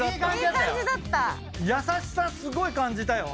優しさすごい感じたよ。